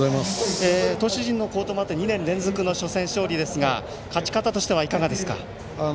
投手陣の好投もあって２年連続の初戦勝利ですが勝ち方としてはいかがですか。